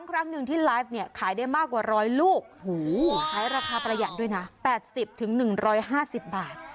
ครั้งหนึ่งที่ไลฟ์เนี่ยขายได้มากกว่า๑๐๐ลูกขายราคาประหยัดด้วยนะ๘๐๑๕๐บาท